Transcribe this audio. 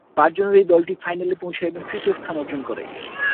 পাঁচজনের এই দলটি ফাইনালে পৌছায় এবং তৃতীয় স্থান অর্জন করে।